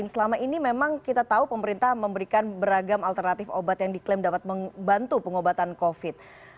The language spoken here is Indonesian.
selama ini memang kita tahu pemerintah memberikan beragam alternatif obat yang diklaim dapat membantu pengobatan covid